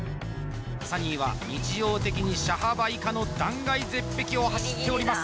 サニーは日常的に車幅以下の断崖絶壁を走っております